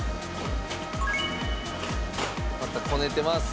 またこねてます。